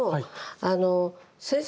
あの先生